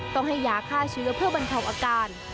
ต้องให้ยาฆ่าเชื้อเพื่อบรรเทาอาการ